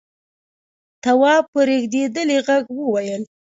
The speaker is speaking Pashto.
تواب په رېږدېدلي غږ وويل: